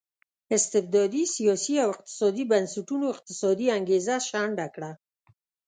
استبدادي سیاسي او اقتصادي بنسټونو اقتصادي انګېزه شنډه کړه.